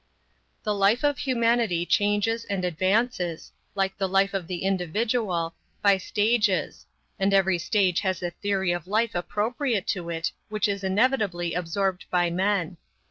The life of humanity changes and advances, like the life of the individual, by stages, and every stage has a theory of life appropriate to it, which is inevitably absorbed by men.